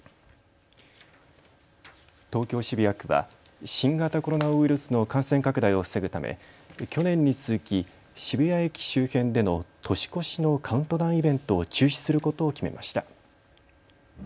東京渋谷区は新型コロナウイルスの感染拡大を防ぐため去年に続き渋谷駅周辺での年越しのカウントダウンイベントを中止することを決めました。